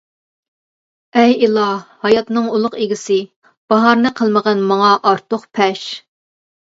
ئەي ئىلاھ! ھاياتنىڭ ئۇلۇغ ئىگىسى، باھارنى قىلمىغىن ماڭا ئارتۇق پەش.